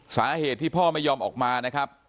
สาเหตุที่พ่อไม่ยอมออกมานะครับ